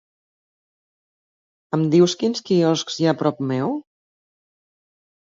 Em dius quins quioscs hi ha a prop meu?